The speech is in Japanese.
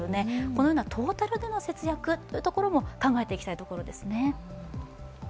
このようなトータルでの節約というのも考えていきたいところですね。